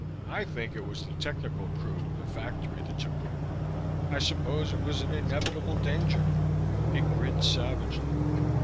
I think it was the technical crew of the factory that took over. I suppose it was an inevitable danger." He grinned savagely.